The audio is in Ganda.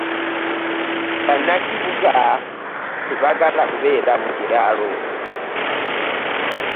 Bannakibuga tebaagala kubeera mu kyalo.